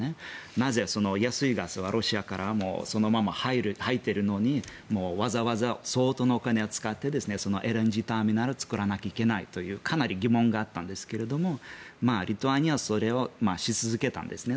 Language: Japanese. なぜ安いガスが、ロシアからそのまま入っているのにわざわざ相当のお金を使ってＬＮＧターミナルを作らなきゃいけないというかなり疑問があったんですがリトアニアはそれをし続けたんですね。